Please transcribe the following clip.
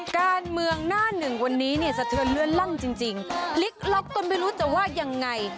การเมืองหน้าหนึ่งวันนี้เนี่ยสะเทือนเลื่อนลั่นจริงพลิกล็อกจนไม่รู้จะว่ายังไง